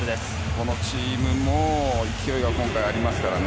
このチームも勢いは今回ありますからね。